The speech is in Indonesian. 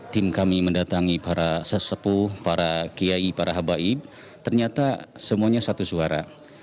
tim kami mendatangi para sesepuh para kiai para habaib ternyata semuanya satu suara